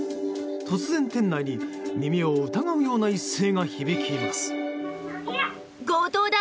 突然、店内に耳を疑うような一声が響きます。